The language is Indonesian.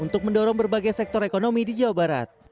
untuk mendorong berbagai sektor ekonomi di jawa barat